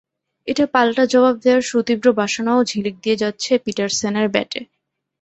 এটা পাল্টা জবাব দেওয়ার সুতীব্র বাসনাও ঝিলিক দিয়ে যাচ্ছে পিটারসেনের ব্যাটে।